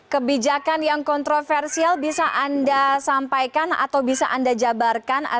kebijakan yang kontroversial bisa anda sampaikan atau bisa anda jabarkan